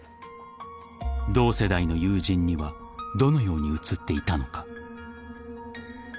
［同世代の友人にはどのように映っていたのか？］